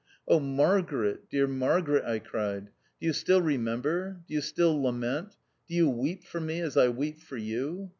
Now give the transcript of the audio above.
" Oh ! Margaret, dear Margaret !" I cried, " do you still remem ber? do you still lament? Do you weep for me as I weep for you